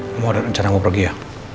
kamu ada rencana mau pergi ya